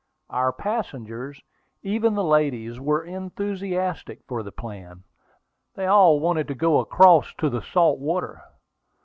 Our passengers, even the ladies, were enthusiastic for the plan. They all wanted to go across to the salt water.